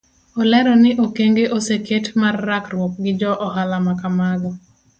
Olero ni okenge oseket mar rakruok gi jo ohala makamago.